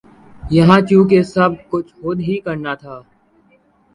یہاں چونکہ سب کچھ خود ہی کرنا تھا